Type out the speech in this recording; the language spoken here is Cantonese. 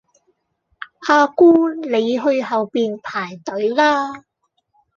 阿姑你去後面排隊啦